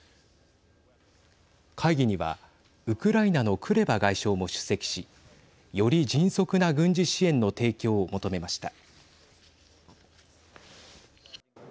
会議にはウクライナのクレバ外相も出席しより迅速な軍事支援の提供を求めました。